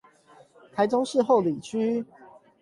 台中市后里區